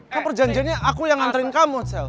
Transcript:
kan perjanjiannya aku yang nganterin kamu sel